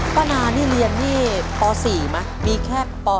ป้านานี่เรียนนี่ป๔ไหมมีแค่ป๔